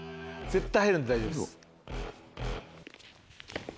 絶対入るんで大丈夫です。